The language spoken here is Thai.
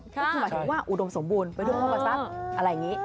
คือหมายถึงว่าอุดมสมบูรณ์ไปด้วยว่าว่ามันสักอะไรอย่างนี้